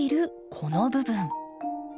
この部分。